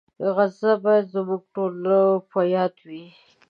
غزه باید زموږ ټولو په یاد وي.